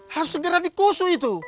harus segera dikusuh itu